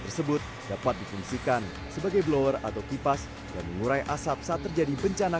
tersebut dapat difungsikan sebagai blower atau kipas dan mengurai asap saat terjadi bencana